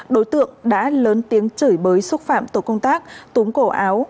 đối tượng đã lớn tiếng chửi bới xúc phạm tổ công tác túm cổ áo